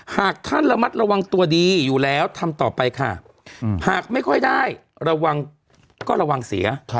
หากท่านระมัดระวังตัวดีอยู่แล้วทำต่อไปค่ะหากไม่ค่อยได้ระวังก็ระวังเสีย